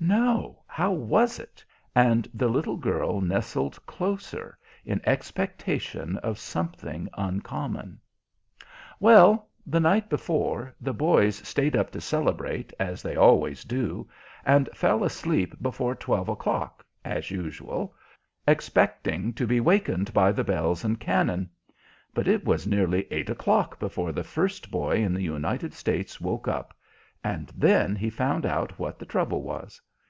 "No; how was it?" And the little girl nestled closer, in expectation of something uncommon. Well, the night before, the boys stayed up to celebrate, as they always do, and fell asleep before twelve o'clock, as usual, expecting to be wakened by the bells and cannon. But it was nearly eight o'clock before the first boy in the United States woke up, and then he found out what the trouble was.